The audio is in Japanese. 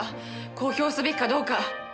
公表すべきかどうか。